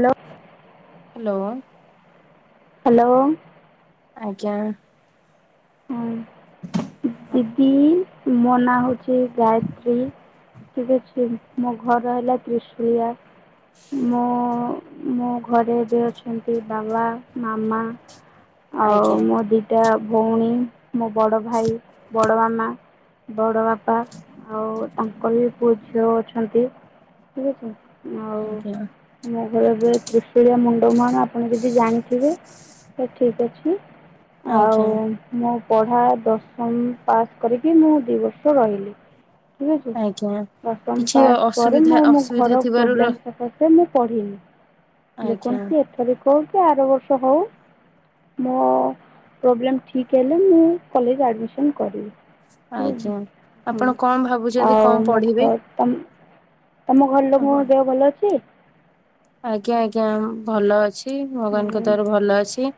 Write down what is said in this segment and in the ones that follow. ଲୋ hello. Hello. ଆଜ୍ଞା। ହଁ ଦିଦି ମୋ ନାଁ ହଉଚି ଗାୟତ୍ରୀ। ଠିକ୍ ଅଛି। ମୋ ଘର ହେଲା ତ୍ରିଶୁଳିଆ। ମୋ ମୋ ଘରେ ଏବେ ଅଛନ୍ତି ବାଙ୍ଗଳା ମାମା ଆଉ ଆଜ୍ଞା ମୋ ଦିଟା ଭଉଣୀ ମୋ ବଡ ଭାଇ ବଡ ମାମା ବଡ ବାପା ଆଉ ତାଙ୍କର ବି ପୁଅ ଝିଅ ଅଛନ୍ତି। ଠିକ୍ ଅଛି। ଆଉ ଆଜ୍ଞା। ମୋ ଘର ଏବେ ତ୍ରିଶୁଳିଆ ମୁଣ୍ଡ ମୁହାଣ ଆପଣ ଯଦି ଜାଣିଥିବେ ତ ଠିକ୍ ଅଛି ଆଉ ଆଜ୍ଞା ମୋ ପଢା ଦଶମ ପାସ୍ କରିକି ମୁଁ ଦି ବର୍ଷ ରହିଲି। ଠିକ୍ ଆଜ୍ଞା। ଅଛି। ଦଶମ କିଛି ପାସ୍ ପରେ ଅସୁବିଧା ମୁଁ ଆମ ଅସୁବିଧା ଘର ଥିବାରୁ ର ପ୍ରୋବ୍ଲେମ୍ ସକାଶେ ମୁଁ ପଢିନି। ଆଜ୍ଞା ଯେକୌଣସି ଏଥରିକ ହଉ କି ଆର ବର୍ଷ ହଉ ମୋ ପ୍ରୋବ୍ଲେମ୍ ଠିକ୍ ହେଲେ ମୁଁ କଲେଜ ଆଡମିସନ୍ କରିବି। ଆଜ୍ଞା। ଆପଣ କଣ ଭାବୁଛନ୍ତି ଆଉ କଣ ମୋ ପଢିବେ ଘ ତମ୍ ତମ ଘର ଆପଣ? ଲୋକଙ୍କ ଦେହ ଭଲ ଅଛି? ଆଜ୍ଞା ଆଜ୍ଞା ଭଲ ଅଛି। ଏଇ ଭଗବାନଙ୍କ ଦୟାରୁ ଭଲ ଅଛି।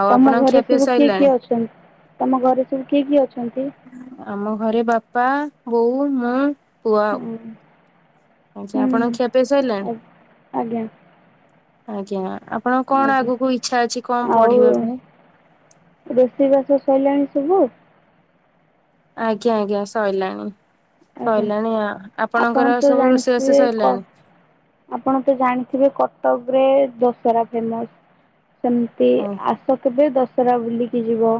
ଆଉ ତମ ଆପଣଙ୍କ ଘରେ ଖିଆପିଆ ସବୁ କିଏ କିଏ ସଇଲାଣି? ଅଛନ୍ତି ତମ ଗରେ ସବୁ କିଏ କିଏ ଅଛନ୍ତି? ଆମ ଘରେ ବାପା ବୋଉ ମୁଁ ପୁଅ ଆଉ। ଆଚା ଆପଣଙ୍କ ଖିଆ ପିଆ ସଇଲାଣି? ହୁଁ ଆଜ୍ଞା ଆଜ୍ଞା ଆପଣଙ୍କ କଣ ଆଜ୍ଞା ଆଗୁକୁ ଇଚ୍ଛା ଅଛି କଁ ପଢିବା ପାଇଁ? ରୋଷେଇ ବାସ ସଇଲାଇଁ ସବୁ? ଆଜ୍ଞା ଆଜ୍ଞା ସଇଲାଣି। ଆଜ୍ଞା ସଇଲାଣି ଆଉ। ଆପଣ ଆପଣଙ୍କର ତ ସବୁ ରୋଷେଇ ବାସ ଜାଣିଥିବେ କ ସଇଲାଣି? ଆପଣ ତ ଜାଣିଥିବେ କଟଗରେ ଦଶରା ଫେମସ୍। ସେମତି ଓ ଆସ କେବେ ଦଶରା ବୁଲିକି ଯିବ।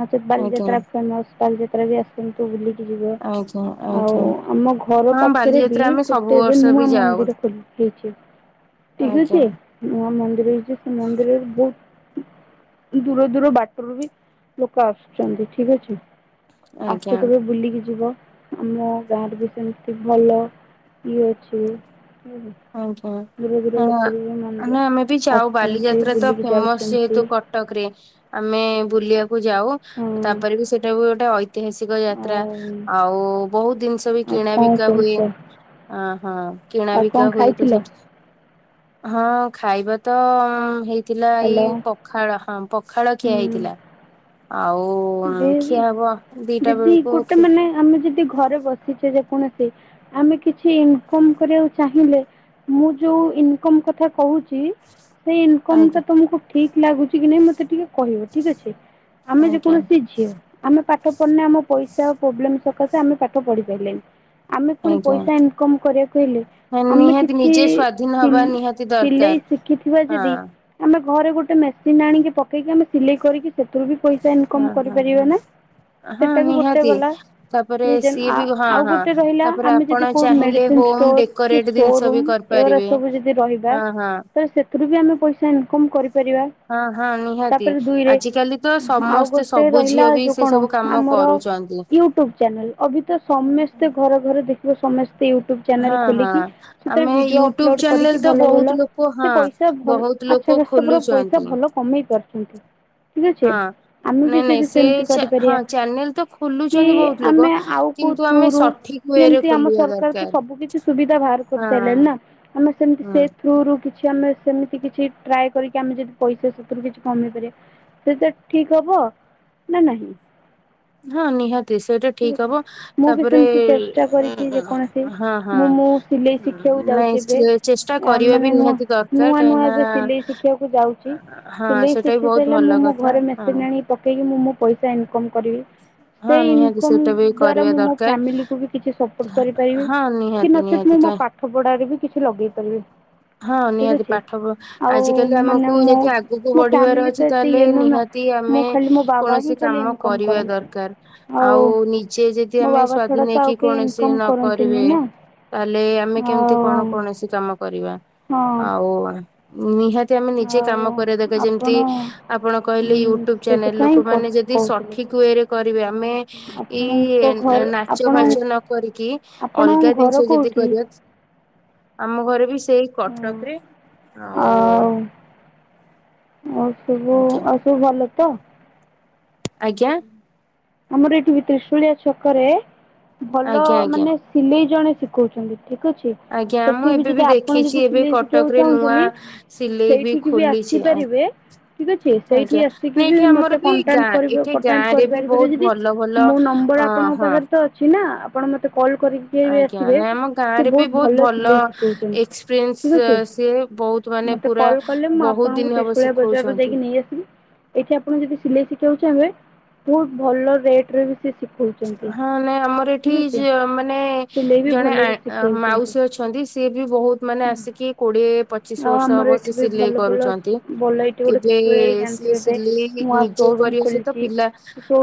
ନଚେତ୍ ଆଜ୍ଞା ବାଲିଯାତ୍ରା ଫେମସ୍। ବାଲିଯାତ୍ରା ବି ଆସନ୍ତୁ ବୁଲିକି ଯିବ। ଆଜ୍ଞା ଆଉ ଆଜ୍ଞା ଆମ ଘର ହଁ ପାଖରେ ବି ବାଲିଯାତ୍ରା ଆମେ ସବୁ ଗୋଟେ ଏବେ ବର୍ଷ ବି ନୂଆ ଯାଉ। ମନ୍ଦିର ଖୁବ୍ ହେଇଚି। ଟିକ୍ ଆଜ୍ଞା ଅଛି। ନୂଆ ମନ୍ଦିର ହେଇଚି ସେ ମନ୍ଦିରରେ ଭୋଉତ୍ ଦୂର ଦୂର ବାଟୁରୁ ବି ଲୋକ ଆସୁଚନ୍ତି। ଠିକ୍ ଅଛି। ଆଜ୍ଞା ଆସ କେବେ ବୁଲିକି ଯିବ। ଆମ ଗାଁ ରେ ବି ସେମତି ଭଲ ଇଏ ଅଛି। ଠିକ୍ ଅଛି। ଆଜ୍ଞା। ହଁ ଆମେ ଆମେ ବି ଯାଉ ଆସୁଛନ୍ତି ବାଲିଯାତ୍ରା ତ ବୁଲିକି ଫେମସ୍ ଯାଉଛନ୍ତି ଯେହେତୁ କ ଟକରେ ଆମେ ବୁଲିଆକୁ ଯାଉ ହଁ ତାପରେ ବି ସେଟା ବି ଗୋଟେ ଐତିହାସି ଗ ଯାତ୍ରା ଆଉ ଆଉ ବୋହୁତ ଦିନିଷ ବି ଆଉ କିଣା କଣ ବିକା ହୁଏ। କହୁଛ ଅ ହ କିଣା ଆଉ ବି କଣ ଖାଇଥିଲ ହଁ, ଖାଇବା ତ ହେଇଥିଲା ଏଇ ହ୍ୟାଲୋ ପ ଖାଳ ହଁ, ପଖାଳ ଖିଆ ହେଇଥିଲା। ଆଉ ହୁଁ ଖିଆ ହବ ଦିଟା ଦିଦି ବେଳକୁ ଗୋଟେ ଖି ମାନେ ଆମେ ଯଦି ଘରେ ବସିଛେ ଯେକୌଣସି ଆମେ କିଛି ଇନକମ କରିବାକୁ ଚାହିଁଲେ ମୁଁ ଯୋଉ ଇନକମ୍ କଥା କହୁଛି ସେଇ ଇନକମ ଟା ଆଜ୍ଞା ତମକୁ ଠିକ୍ ଲାଗୁଛି କି ନାଇଁ ମତେ ଟିକେ କହିବ ଠିକ ଅଛି? ଆମେ ଆଜ୍ଞା ଯେକୌଣସି [inaudible] ଆମେ ପାଠ ପଢିଲେ ଆମ ପଇସା ଆଉ ପ୍ରୋବ୍ଲେମ ସକାଶେ ଆମେ ପାଠ ପଢି ପାଇଲେନି। ଆମେ ପୁଣି ଆଜ୍ଞା ପଇସା ଇନକମ କରିବାକୁ ହେଲେ ମାନେ ଆମେ ନିହାତି କିଛି ନିଜେ ସ୍ଵାଧୀନ ସିଲ୍ ହବା ନିହାତି ସିଲେଇ ଦରକାର। ଶିଖିଥିବା ହଁ ଯଦି ଆମେ ଘରେ ଗୋଟେ ମେସିନ ଆଣିକି ପକେଇକି ଆମେ ସିଲେଇ କରିକି ସେଥିରୁ ବି ପଇସା ସା ଇନକମ୍ ହଁ ହଁ କରିପାରିବା ହଁ ନା? ହଁ ସେଟା ବି ଗୋଟେ ନିହାତି ଗଲା ତାପରେ ରିଜନ। ସିଏ ଆ ବି ହଁ ଆଉ ହଁ ଗୋଟେ ରହିଲା ତାପରେ ଆମେ ଯଦି ଆପଣ କୋଉ ଚାହିଁଲେ ମେଡିସିନ ହୋମ ଷ୍ଟୋର କି ଡେକୋରେଟ ଜିନିଷ ବି ସୋରୁମ୍ ଏଗୁଡା କରିପାରିବେ ସବୁ ଯଦି ରହିବା ହଁ ହଁ। ତ ସେ ସେଥିରୁ ବି ଆମେ ପଇସା ଇନକମ୍ କରିପାରିବା। ହଁ ହଁ ନିହାତି। ତାପରେ ଦୁଇରେ ଆଜିକାଲି ତ ଆଉ ସମସ୍ତେ ସ ଗୋଟେ ରହିଲା ଯୋଉ କଣ ଆମର ୟୁଟ୍ୟୁବ ଚ୍ୟାନେଲ। ଅବି ତ ସମସ୍ତେ ଘର ଘରେ ଦେଖିବା ସମସ୍ତେ ୟୁଟ୍ୟୁବ ଚାନେଲ ହଁ ହଁ ଖୋଲିକି ସେଥିରେ ଆମେ ଭିଡିଓ ୟୁଟ୍ୟୁବ ଅପଲୋଡ ଚ୍ୟାନେଲ କରିକି ତ ଭଲ ଭଲ ବହୁତ ଲୋକ ସେ ହଁ ପଇସା ଇ ଭଲ ବହୁତ ଆଚ୍ଛା ଲୋକ [inaudible] ପଇସା ଖୋଲୁଛନ୍ତି। ଭଲ କମେଇ ପାରୁଛନ୍ତି। ଠିକ୍ ଅଛି, ହଁ ଆମେ ବି ନାଇଁ ବି ନାଇଁ ସେ ସେମିତି ଚା ହଁ କରିପାରିବା। ଚ୍ୟାନେଲ ତ କି ଖୋଲୁଛନ୍ତି ବହୁତ ଲୋକ ଆମେ ଆଉ କୋଉ କିନ୍ତୁ ଥ୍ରୁ ଆମେ ରୁ ସଠିକ ୱେ ରେ ଯେମତି ଆମ ଖୋଲିବା ସରକାର ତ ଦରକାର ସବୁ କିଛି ସୁବିଧା ବାହାର ହଁ କରିସାରିଲଣି ନା! ଆମେ ସେମିତି ହଁ ସେ ଥ୍ରୁ ରୁ କିଛି ଆମେ ସେମିତି କିଛି ଟ୍ରାଏ କରିକି ଆମେ ଯଦି ପଇସା ସେଥିରୁ କିଛି କମେଇ ପାରିବା! ସେଟା ଠିକ ହବ? ନା ନାହିଁ? ହଁ ନିହାତି ସେଇଟା ଠିକ୍ ଠିକ ଅଛି ହବ ମୁଁ ବି ତାପରେ ସେମିତି ଚେଷ୍ଟା କରିଛି ଆ ଯେକୌଣସି ମୁଁ ମ ସିଲେଇ ଶିଖିବାକୁ ନାଇଁ ଯାଉଛି ଏବେ। ଚେଷ୍ଟା କରିବା ବି ମାନେ ନୁଆ ନିହାତି ଦରକାର ନୂଆ କାହିଁକି ନୂଆ ନା ଏବେ ସିଲେଇ ଶିଖିବାକୁ ଯାଉଛି। ହଁ ସିଲେଇ ସେଟା ବି ଶିଖି ବହୁତ ସାରିଲେ ମୁଁ ଭଲ ମୋ କଥା ଘରେ ମେସିନ୍ ହଁ ଆଣି ପ ପକେଇକି ମୁଁ ମୋ ପଇସା ଇନକମ କରିବି। ହଁ ସେଇ ନିହାତି ଇନକମ ସେଇଟା ବି ଦ୍ଵାରା କରିବା ମୁଁ ମୋ ଦରକାର ଫ୍ୟାମିଲିକୁ ବି କିଛି ସପୋର୍ଟ କରିପାରିବି। ହଁ କି ନିହାତି ନଚେତ ନିହାତି ମୁଁ କାହିଁ ମୋ ପାଖ ପାଠପଢାରେ ବି କିଛି ଲଗେଇ ପାରିବି। ହଁ ଠିକ୍ ନିହାତି ଅଛି ପାଠ ଆଉ ଆଜିକାଲି ମାନେ ଆମକୁ ମୋ ଯଦି ଆଗକୁ ମୋ ବଢିବାର ଫ୍ୟାମିଲି ତ ଅଛି! ଏତେ ତାହେଲେ ଇଏ ନୁହଁ ନା ନିହାତି ତି ଆମେ ମୁଁ ଖାଲି ମୋ ବାବା ହିଁ କୌଣସି ଖାଲି କାମ ଇନକମ୍ କରି ରିବା କରନ୍ତି ଦରକାର। ଆଉ ନିଜେ ଯଦି ମୋ ଆମେ ବାବା ଛଡା ସ୍ଵାଧୀନ ତ ଆଉ ହେଇକି କେହି କୌଣସି ଇନକମ୍ ନ କରନ୍ତିନି କରିବେ ନା ତାହେଲେ ଆମେ କେମିତି କଣ ଆଉ କୌଣସି କାମ କରିବା। ହଁ ଆଉ ନିହାତି ଆମେ ନିଜେ ଆଉ କାମ କରିବା ଦରକାର। ଆପଣ ଯେମିତି ଆପଣ କହିଲେ ୟୁଟ୍ୟୁବ୍ ଚ୍ୟାନେଲ। ସେଥିପାଇଁ ଲୋକମାନେ ଯଦି ସ କହୁଥିଲି। ଠିକ ୱେରେ କରିବେ? ଆମେ ଆପଣଙ୍କ ଘର ଏଇ ନାଚ ଆପଣ ଫାଚ ନ କରିକି ଆପଣଙ୍କ ଅଲଗା ଘର ଜିନିଷ ଯଦି କୋଉଠି? କରିବା ତ ଆମ ଘର ବି ସେଇ କଟକ ହଁ ରେ, ଆଉ ଆଉ ସବୁ ଆଜ୍ଞା ଆଉ ସବୁ ଭଲ ତ? ଆଜ୍ଞା! ଆମର ଏଠିଭି ତ୍ରିଶୂଳିଆ ଛକରେ ଭଲ ଆଜ୍ଞା ଆଜ୍ଞା ମାନେ ସିଲେଇ ଜଣେ ଶିଖଉଛନ୍ତି ଠିକ୍ ଅଛି? ଆଜ୍ଞା ମୁଁ ସେଠି ବି ଏବେ ଯଦି ଆପଣ ଦେଖିଛି ଯଦି ଏବେ ସିଲେଇ ଶିଖିବାକୁ କଟକରେ ନୂଆ ଚାହୁଁଛନ୍ତି, ସିଲେଇ ସେଇଠିକି ବି ଖୋଲିଛି ଆ ଆସିପାରିବେ। ଠିକ ଅଛି! ଆଜ୍ଞା। ସେଇଠି ନା ଆସିକି ବି ଏଠି ଆମର ମତେ ବି କଣ୍ଟାଣ୍ଟ ଗାଁ କରିବ ଏଠି କଣ୍ଟାଟ ଗାଁ ରେ ବି ବହୁତ କରିପାରିବେ ଭଲ ଭଲ ମୋ ନମ୍ବର ଅ ଆପଣଙ୍କ ହଁ ପାଖରେ ତ ଅଛି ନା? ଆପଣ ମତେ କଲ୍ କରିକି [inaudible] ଆଜ୍ଞା ଆସିବେ ନାଇଁ ଆମ ଗାଁ ସେ ରେ ବି ବୋହୁତ ବହୁତ ଭଲ ସିଲେଇ ଶିଖଉଛନ୍ତି। ଏକ୍ସପିରିଏନ୍ସ ଠିକ୍ ଅଛି। ସିଏ ବହୁତ ମାନେ ମତେ ପୁରା କଲ୍ କଲେ ମୁଁ ବହୁତ ଆପଣଙ୍କୁ ଦିନ ହବ ତ୍ରିଶୂଳିଆ ବଜାରରୁ ଶିଖଉଛନ୍ତି ଯାଇକି ନେଇ ଆସିବି। ଏଠି ଆପଣ ଯଦି ସିଲେଇ ଶିଖିବାକୁ ଚାହିଁବେ? ବହୁତ ଭଲ ରେଟ ରେ ବି ସେ ଶିଖଉଛନ୍ତି ହଁ ନାଇଁ ଆମର ଏଠି ଠିକ୍ ଅଛି ଜ ମାନେ ସିଲେଇ ବି ଜଣେ ଆ ଭଲରେ ଅ ଶିଖେଇଛନ୍ତି ମାଉସୀ ଅଛନ୍ତି ସିଏ ବି ବହୁତ ମାନେ ହୁଁ ଆସିକି କୋଡ଼ିଏ ଆଉ ପଚିଶ ବର୍ଷ ଆମର ହବ ଏଠି ସେ ବି ସିଲେଇ ଭଲ ଭଲ କରୁଛନ୍ତି। ଭଲ ଏଇଠି ଗୋଟେ ଏବେ ତିସୁଳା ରେ ସିଏ ଜାଣିଥିବ ଏବେ ସିଲେଇ ନୂଆ ନିଜେ ସୋରୁମ କରିବା ସହିତ ଖୋଲିଛି। ପିଲା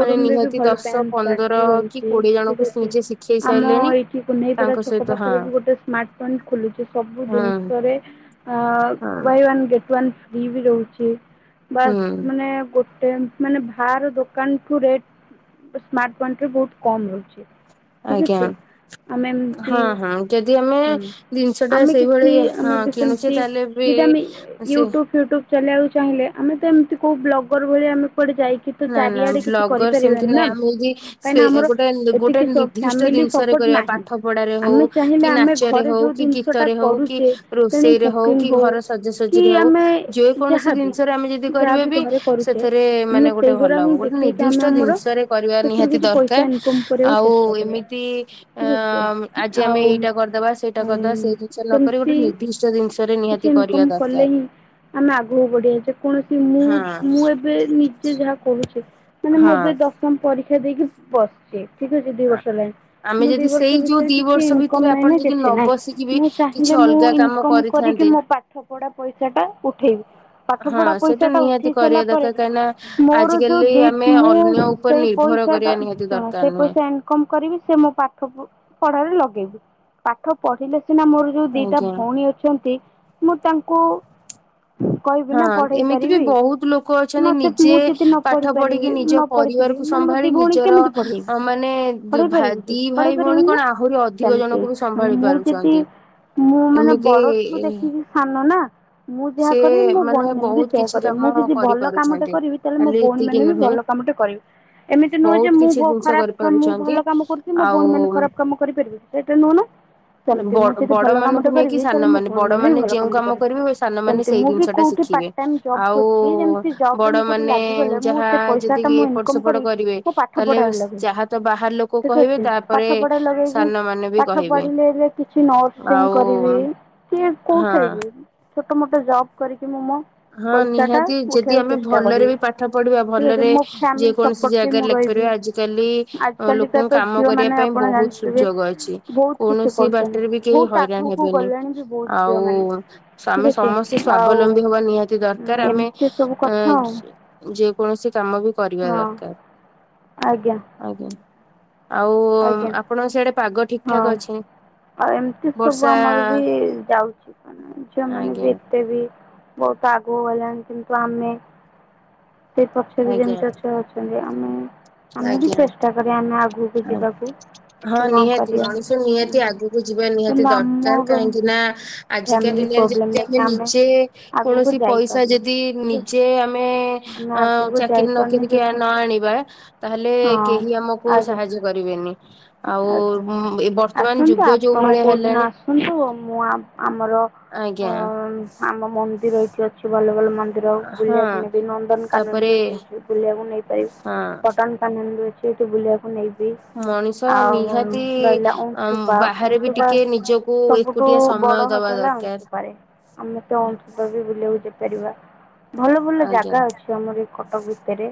ମାନେ ରେ ବି ନିହାତି ଭଲ ଦଶ ପ୍ୟାନ୍ ସାର୍ଟ ପନ୍ଦର ବି କି ରହୁଛି କୋଡିଏ ଜଣଙ୍କୁ ଠିକ ଅଛି ନିଜେ ଶିଖେଇ ଆମ ସାରିଲେଣି। ଏଇଠି କୁନେଇପଡା ତାଙ୍କ ଛକ ସହିତ ହଁ ପାଖରେ ବି ଗୋଟେ ସ୍ମାର୍ଟ ପଏଣ୍ଟ ଖୋଲୁଛି ସବୁ ହଁ ଦିନିଷରେ ଆ ହଁ buy one get one free ବି ରହୁଛି ବାସ୍ ହୁଁ ମାନେ ଗୋ ମାନେ ଭାର ଦୋକାନଟୁ ରେଟ ସ୍ମାର୍ଟ ପଏଣ୍ଟରେ ବହୁତ କମ ରହୁଛି। ଠିକ୍ ଆଜ୍ଞା। ଅଛି ଆମେ ହଁ ଏମିତି ହଁ ଯଦି ଆମେ ହୁଁ ଜିନିଷ ଟା ଆମେ କିଛି ସେଇଭଳି ଆମେ ହଁ ବି କିଣୁଛେ ସେମିତି ତାହେଲେ ପ୍ରି ଆସିବ। ଚାଲିବାକୁ ଚାହିଁଲେ ଆମେ ତ ଏମିତି କୋଉ ବ୍ଲଗର ଭଳି ଆମେ କୁଆଡ଼େ ଯାଇକି ତ ନା ନା ଚାରିଆଡ଼େ କିଛି ବ୍ଲଗର ସେମିତି କରିପାରିବାନି ନାଇଁ ନା ଆମେ ଯଦି କାହିଁକି ସେ ନା ଆମର ଗୋଟେ ଗୋଟେ ଏତିକି ସ ନିର୍ଦ୍ଦିଷ୍ଟ ଫାମିଲି ଜିନିଷରେ ସପୋର୍ଟ କରିବା ନାହିଁ। ପାଠ ପଢାରେ ହଉ ଆମେ ଚାହିଁଲେ କି ଆମେ ନାଚରେ ଘରେ ହଉ ଯୋଉ କି ଦିନିଷ ଟା ଗୀତରେ ହଉ କି କରୁଛେ ତେଣି ରୋଷେଇରେ କୁକିଂ କି ହଉ। ଘର କି ସଜାସଜିରେ ହଉ ଆମେ ଯେକୌଣସି ଯାହାବି ଜିନିଷରେ ଆମେ ଯଦି କରିବା ଯାହାବି ବି ଘରେ କରୁଛେ ସେଥିରେ ଆମେ ମାନେ ଗୋଟେ ସେଇ ଭଲ ଗୁରା ହିଁ ହବ ଗୋଟେ ଦେଖେଇକି ଆମେ ନିର୍ଦ୍ଦିଷ୍ଟ ଆମର ଜିନିଷରେ କରିବା ସେଥିରୁ ନିହାତି କିଛି ପଇସା ଦରକାର ଇନକମ କରିବାକୁ ଆଉ ଚେଷ୍ଟା କରିଆ। ଏମିତି ଅ ଠିକ ଅଛି ଆଜି ଆମେ ଆଉ ଏଇଟା କରିଦବା ସେଇଟା ଉଁ କରିଦବା ସେଇ ଜିନିଷ ନ କରି ଗୋଟେ ସେମତି ନିର୍ଦ୍ଦିଷ୍ଟ ଜିନିଷରେ କି ଚି ନିହାତି ଇନକମ୍ କରିବା କଲେ ଦରକାର ହିଁ ଆମେ ଆଗକୁ ବଢ଼ିବା ଯେକୌଣସି ମୁଁ ମୁଁ ଏ ହଁ ଏବେ ନିଜେ ଯାହା କହୁଛି ମାନେ ମୁଁ ଏବେ ଦଶମ ପରୀକ୍ଷା ଦେଇକି ବସଛି ଠିକ ଅଛି ଦିଇ ହଁ ବର୍ଷ ହେଲାଣି। ଆମେ ମୁଁ ଦି ଯଦି ସେଇ ବର୍ଷ ଯୋଉ ଭିତରେ ଦି କିଛି ବର୍ଷ ଭିତରେ ଇନକମ ନାଇଁ ଆପଣ ନା ଯଦି ନ କିଛି ନାଇଁ ବସିକି ବି ମୁଁ କିଛି ଚାହିଁଲେ ମୁଁ ଅଲଗା କାମ ଇନକମ କରିକି କରିଥାନ୍ତେ ମୋ ପା ପାଠ ପଢ଼ା ପଇସା ଟା ଉଠେଇବି ପାଠ ହଁ ପଢା ପଇସା ସେଇଟା ଟା ନିହାତି ଉଠେଇ ସାରିଲା କରିବା ପରେ ଦରକାର କାହିଁକି ନା ମୁ ମୋର ଯୋଉ ଆଜିକାଲି ଦି ଆମେ ମୁଁ ଅନ୍ୟ ଉପରେ ସେଇ ନିର୍ଭର ପଇସାଟା କରିବା ନିହାତି ଶୁଣ ଦରକାର ସେଇ ନୁହେଁ। ପଇସା ଆ କମ୍ କରିବି ସେ ମୋ ପାଠ ପ ପଢ଼ାରେ ଲଗେଇବି ପାଠ ପଢ଼ିଲେ ସିନା ମୋର ଯୋଉ ଦିଟା ଆଜ୍ଞା ଭଉଣୀ ଅଛନ୍ତି ମୁଁ ତାଙ୍କୁ କହିବି ନା ହଁ ପଢ଼େଇ ଏମିତି ବି ପାରିବି ବହୁତ ଲୋକ ଅଛନ୍ତି ନଚେ ନିଜେ ମୁଁ ଯଦି ନ ପାଠ ପଢ଼ି ପାରିବି ପଢିକି ନିଜ ମୁଁ ନ ପଢ଼ି ଥିବି ପରିବାରକୁ ମାନେ ମୁଁ ସମ୍ଭାଳି ଦି ଭଉଣୀ ନିଜର କେମିତି ପଢେଇବି ଅ ମାନେ ଦି ପଢେଇ ଭା ପାରିବି? ଦି ଭାଇ ପଢ଼େଇ ଭଉଣୀ ପାରିବିନି କଣ ନା ଆହୁରି ଅଧିକ ସେମତି ଜଣଙ୍କୁ ବି ମାନେ ସମ୍ଭାଳି ମୁଁ ଯଦି ପାରୁଛନ୍ତି। ମୁଁ ମାନେ ଏମିତି ବଡ଼ଠୁ ଦେଖିକି ସାନ ନା। ମୁଁ ଯାହା ସେ କରିବି ମୋ ଭଉଣୀ ମାନେ ବି ବହୁତ ସେୟଆ କିଛି କରିବେ କାମ ମୁଁ ଯଦି ଭଲ କାମଟେ କରିପାରୁଛନ୍ତି। କରିବି ତାହେଲେ ମୋ ଖାଲି ଭଉଣୀ ଏତିକି ମାନେ ବି ନୁହେଁ ଭଲ କାମଟେ କରିବେ। ଏମିତି ନୁହେଁ ଯେ ବହୁତ ମୁଁ କିଛି ଭ ଜିନିଷ ଖରାପ କ ମୁଁ କରିପାରୁଛନ୍ତି। ଭଲ କାମ କରୁଥି ମୋ ଆଉ ଭଉଣୀ ମାନ ଖରାପ କାମ କରିପାରିବେ ସେଇଟା ନୁହଁ ନା। ସେମତି ବ ମୁଁ ଯଦି ବଡ ଭଲ ମାନଙ୍କୁ କାମଟେ ନେଇକି କରିବି ତାହେଲେ ସାନ ମୋ ଭଉଣୀ ବଡ ମାନେ ବି ଭଲ ଯେଉଁ କାମଟେ କାମ କରିବେ ସାନ ମାନେ ସେମିତି ସେଇ ମୁଁ ବି ଜିନିଷ ଟା କୋଉଠି ପା ଶିଖିବେ। ଟାଇମ ଜବ୍ ଆଉ ଖୁଛି ଯେମିତି ଜବ ରେ ବଡ ମୁ କଉଠି ମାନେ ଲାଗିଗଲା ମୁଁ ଯାହା ସେ ଯଦି ପଇସାଟା ମୁଁ ଏପଟ ଇନକମ୍ କରି ସେପଟ କରିବେ ମୋ ପାଠ ତାହେଲେ ପଢ଼ାରେ ଲଗେଇ। ଯାହା ତ ବାହାର ଲୋକ ଠିକ କହିବେ ଅଛି ପାଠ ତାପରେ ପଢ଼ା ଲଗେଇକି ସାନ ମାନେ ବି ପାଠ କହିବେ ପଢ଼ି ଲେ କିଛି ନର୍ସିଂ ଆଉ କରିବି ସିଏ କୋଉଠାଇ ହଁ। ବି। ଛୋଟ ମୋଟ ଜବ୍ କରିକି ମୁଁ ମୋ ହଁ ପଇସାଟା ନିହାତି ଯଦି ଉଠାଇବାକୁ ଆମେ ଚେଷ୍ଟା ଭଲରେ କରିବି ବି ପାଠ ପଢ଼ିବା ଠିକ୍ ଅଛି ଭଲରେ ମୋ ଯେ ଫ୍ୟାମିଲି କୌଣସି ସପୋର୍ଟ ବି ଜାଗାରେ ମୁଁ ରହିବି ଲାଗିପାରିବା ଆଜିିକାଲି ଅ ଆଜିକାଲିକା ଲୋକଙ୍କୁ ତ କାମ କରିବା ଝିଅମାନେ ପାଇଁ ଆପଣ ବହୁତ ଜାଣିଥିବେ ସୁଯୋଗ ଅଛି ବହୁତ କିଛି କୌଣସି କରୁଛନ୍ତି ବାଟରେ ବି। କେହି ବହୁତ ହଇରାଣ ଆଗକୁ ହେବେନି ଗଲେଣି ବି ବହୁତ ଆଉ ଝିଅମାନେ ଠିକ୍ ସମେ ଅଛି ସମସ୍ତେ ଆଉ ସ୍ୱାବଲମ୍ବୀ ହବା ନିହାତି ତି ଦରକାର ଆମେ ଏମିତି ସବୁ ଅ କଥା ଆଉ ଅଁ ଯେକୌଣସି କାମ ବି କରିବା ହଁ ଦରକାର। ଆଜ୍ଞା ଆଜ୍ଞା ଆଉ ଆଜ୍ଞା ଆପଣଙ୍କ ସେଇଆଡେ ପାଗ ଠିକ ଠାକ୍ ହଁ ଅଛି? ଆଉ ଏମିତି ସବୁ ବର୍ଷା ଆମର ବି ଯାଉଛି କ ଝିଅମାନେ ଆଜ୍ଞା ବି ଏତେ ବି ବହୁତ ଆଗକୁ ଗଲାଣି କିନ୍ତୁ ଆମେ ସେ ପଛରେ ଆଜ୍ଞା ଯେମତି ଅଛ ଅ ଛନ୍ତି ଆମେ ଆମେ ବି ଆଜ୍ଞା ଚେଷ୍ଟା କରି ଆମେ ଆଗକୁ ଯିବାକୁ। ହଁ କି କଣ ନିହାତି କରିବା ମଣିଷ ନିହାତି ଆଗକୁ ଯିବା ନିହାତି କିନ୍ତୁ ଦରକାର ଆମର କାହିଁକି ନା ଆଜିକା ଫ୍ୟାମିଲି ଦିନିଆରେ ପ୍ରୋବ୍ଲେମ୍ ଯଦି ଆମେ ଲାଗି ନିଜେ ଆଗକୁ କୌଣସି ପଇସା ଯାଇପାରୁନି ଯଦି ଠିକ୍ ଅଛି ନିଜେ ଆମେ ଆମେ ଅ ଆଗକୁ ଚାକିରି ଯାଇପାରୁନି ନକିରିକି ଯେ ହଁ ନ ଆଣିବା ତାହେଲେ କେହି ଆମକୁ ଆଜ୍ଞା ସାହାଯ୍ୟ କରିବେନି। ଆଉ ଆଜ୍ଞା ଏ ବର୍ତ୍ତମାନ ଆସନ୍ତୁ ଯୁଗ ଯୋଉ ଆପଣ ଭଳିଆ କେଉଁଦିନ ହେଲାଣି ଆସନ୍ତୁ ମୁଁ ଆମର ଆଜ୍ଞା। ଆମ ମନ୍ଦିର ଏଇଠି ଅଛି ଭଲ ଭଲ ମନ୍ଦିର ହଁ ବୁଲିବାକୁ ନେବି ନନ୍ଦନକାନନ ତାପରେ ବି ଏଠି ଅଛି। ବୁଲିବାକୁ ନେଇ ପାରିବି। ହଁ କଟନ କାନନ ଅଛି ଏଠି ବୁଲିବାକୁ ନେଇବି। ମଣିଷ ଆଉ ନିହାତି ରହିଲା ଅମ୍, ଅଂଶୁପା ବାହାରେ ବି ଅଂଶୁପା ଟିକେ ନିଜକୁ ସବୁ ଠୁ ଏକୁଟିଆ ବଡ ସମୟ ହ୍ରଦ ଦବା ହେଲା ଦରକାର। ଅଂଶୁପା ରେ। ଆମେ ତ ଆ- ଅଂଶୁପା ବି ବୁଲିବାକୁ ଯାଇପାରିବା। ଭଲ ଭଲ ଆଜ୍ଞା। ଜାଗା ଅଛି ଆମର ଏଇ କଟକ ଭି ତେରେ।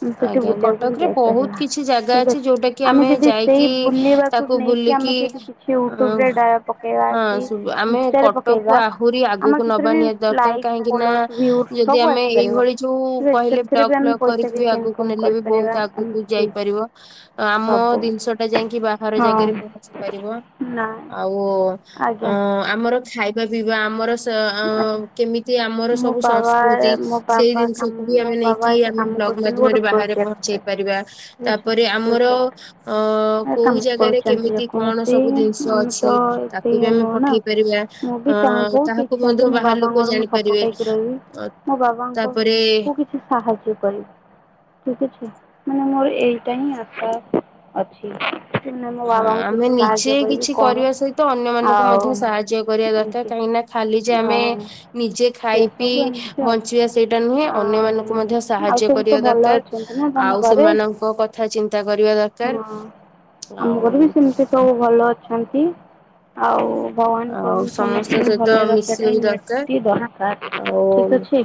ସେଠି ଆଜ୍ଞା ବୁଲିବାକୁ ବି କଟକରେ ବହୁତ ଯାଇପାରିବା କିଛି ଜାଗା ଠିକ୍ ଅଛି। ଯୋଉଟା କି ଆମେ ଯଦି ସେଇ ଯାଇକି ବୁଲିବାକୁ ତାକୁ ନେଇକି ଆମେ ବୁଲିକି ଯଦି କିଛି ଅ ୟୁଟ୍ୟୁବ ରେ ଡ଼ା ପକେଇବା ହଁ କି ସୁ ଆମେ ଇନଷ୍ଟା ରେ ପକେ କଟକକୁ ଇବା ଆହୁରି ଆଗକୁ ଆମର ନବା ସେଥିରେ ବି ନିହାତି ଦରକାର ଲାଇକ୍ କାହିଁକି ନା ଫୋଲଓରସ୍ ଭିଉ ଯଦି ସବୁ ଆମେ ଆସିପାରିବ। ଏଇଭଳି ଯୋଉ ଠିକ୍ ଅଛି କହିଲେ ସେଥିରେ ବ୍ଲ ବି ଆମେ ବ୍ଲଗ୍ ପଇସା କରିକି ବି କିଛି ଆଗକୁ ଇନକମ୍ ନେଲେ ବି କରିପାରିବା ବହୁତ ଆଗକୁ ଏମିତି ଯାଇପାରିବ। ଆମ ସବୁ ଜିନିଷ ଟା ଟା ଯାଇକି ବାହାର ଜାଗାରେ ହଁ ପହଞ୍ଚି ପାରିବ। ନାଇଁ ଆଉ ଅ ଆଜ୍ଞା ଆମର ଖାଇବା ପିଇବା ଆମର ତ ଆଜ୍ଞା କେମିତି ଆମର ମୋ ସବୁ ବାବା ସଂସ୍କୃତି ମୋ ସେଇ ବାବା ଜିନିଷକୁ କାମ ବି ମୋ ଆମେ ନେଇ ବାବା ଏକା ଆମେ କାମ ବ୍ଲଗ୍ କରୁଛନ୍ତି ଗୋଟେ ମାଧ୍ୟମରେ ବାହାରେ ପହଞ୍ଚେଇ ପ୍ରୋଜେକ୍ଟରେ ପାରିବା। ଠିକ୍ ଅଛି ତାପରେ ଆମର ପ୍ରୋଜେକ୍ଟରେ ଅ କୋଉ କାମ ଜାଗାରେ କରୁଛନ୍ତି କେମିତି କଣ ଯେକୌଣସି ସବୁ ଜିନିଷ ଆମେ ତ ଅଛି, ଏତେ ତାକୁ ବି ଇଏ ଆମେ ନୁହଁ ନା ପଠେଇ ପାରିବା। ମୁଁ ବି ଚାହେଁ ଅ ତା ବହୁତ ତାକୁ ଇଚ୍ଛା ଯେ ମଧ୍ୟ ମୋ ବାହାର ଲୋକ ବାବାଙ୍କର ମୁଁ ସପୋର୍ଟ ଜାଣିପାରିବେ। ହେଇକି ରହିବି ଅ ମୋ ତାପରେ ବାବାଙ୍କକୁ କିଛି ସାହାଯ୍ୟ କରି ଠିକ୍ ଅଛି। ମାନେ ମୋର ଏଇଟା ହିଁ ଆଶା ଅଛି। କି ମାନେ ମୋ ହଁ ବାବାଙ୍କୁ ଆମେ କିଛି ନିଜେ ସାହାଯ୍ୟ କରିବି କିଛି କ'ଣ କରିବା ସହିତ ଅନ୍ୟ ମାନଙ୍କୁ ଆଉ ମଧ୍ୟ ସାହାଯ୍ୟ କରିବା ଦରକାର ଏମିତି କାହିଁକିନା ଖାଲି ଯେ ଆମେ ଆଉ ନିଜେ ସେ ଖାଇ ସବୁ ପିଇ ଏମିତି ଆଉ। ବଞ୍ଚିବା ସେଇଟା ନୁହେଁ ଅନ୍ୟ ଆଉ ମାନଙ୍କୁ ମଧ୍ୟ ଆଉ ସାହାଯ୍ୟ ସବୁ କରି ତ ଭଲ ଦରକାର। ଅଛନ୍ତି ନା ତମ ଆଉ ଘରେ? ସେମାନଙ୍କ କଥା ଚିନ୍ତା କରିବା ଦରକାର। ହଁ ଆମ ଆଉ ଘରେ ବି ସେମିତି ସବୁ ଭଲ ଅଛନ୍ତି। ଆଉ ଭଗବାନ ଆଉ କରନ୍ତୁ ସମସ୍ତଙ୍କ ସମସ୍ତଙ୍କୁ ସହିତ ଭଲରେ ର ମିଶିବା ପାଇଁ ବି ଦରକାର ନିହାତି ଦରକାର ଠିକ୍ ଆଉ ଅଛି।